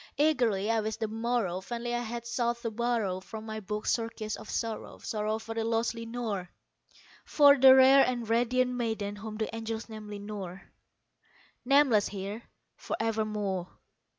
Eagerly I wished the morrow; vainly I had sought to borrow From my books surcease of sorrow sorrow for the lost Lenore For the rare and radiant maiden whom the angels named Lenore Nameless here for evermore.